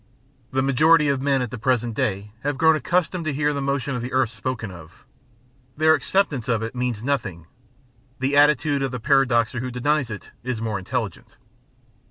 The majority of men at the present day have grown accustomed to hear the motion of the earth spoken of: their acceptance of it means nothing: the attitude of the paradoxer who denies it is more intelligent.